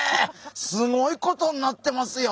すごいことになってますよ。